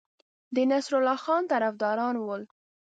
د نصرالله خان طرفداران ول.